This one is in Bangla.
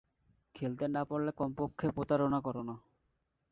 খেলতে না পারলে কমপক্ষে প্রতারণা করো না।